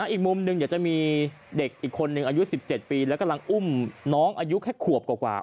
อีกมุมหนึ่งเดี๋ยวจะมีเด็กอีกคนนึงอายุ๑๗ปีแล้วกำลังอุ้มน้องอายุแค่ขวบกว่า